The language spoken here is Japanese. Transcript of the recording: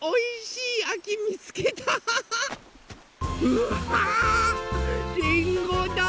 うわりんごだ！